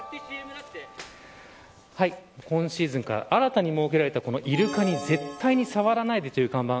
今シーズンから新たに設けられた、イルカに絶対に触らないで、という看板。